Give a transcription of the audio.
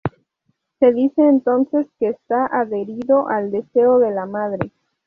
Se dice entonces que está adherido al "deseo de la madre".